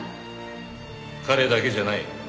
彼だけじゃない。